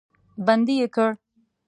بندي یې کړ.